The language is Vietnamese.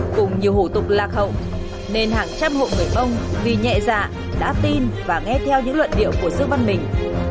cùng nhiều hủ tục lạc hậu nên hàng trăm hộ người mông vì nhẹ dạ đã tin và nghe theo những luận điệu của dương văn mình